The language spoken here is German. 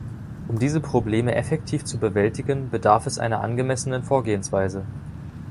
Um diese Probleme effektiv zu bewältigen, bedarf es einer angemessenen Vorgehensweise.